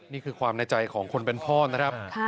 นี่คือความในใจของคนเป็นพ่อนะครับ